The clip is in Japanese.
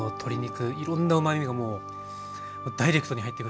いろんなうまみがもうダイレクトに入ってくる感じで。